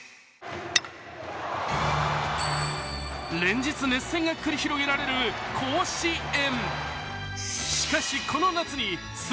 連日熱戦が繰り広げられる甲子園。